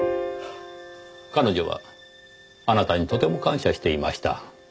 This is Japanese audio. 彼女はあなたにとても感謝していました。